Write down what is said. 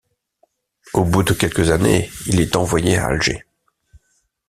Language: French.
Au bout de quelques années, il est envoyé à Alger.